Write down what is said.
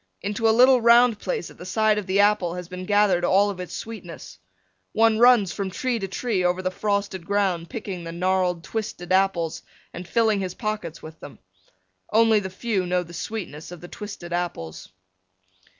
Into a little round place at the side of the apple has been gathered all of its sweetness. One runs from tree to tree over the frosted ground picking the gnarled, twisted apples and filling his pockets with them. Only the few know the sweetness of the twisted apples.